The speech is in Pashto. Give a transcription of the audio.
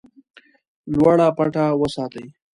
لوړه پټه وساتي.